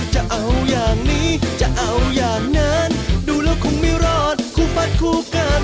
จะเอาอย่างนี้จะเอาอย่างนั้นดูแล้วคงไม่รอดคู่ฟัดคู่กัน